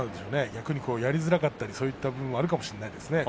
逆にやりづらかったりそういった部分もあるかもしれません。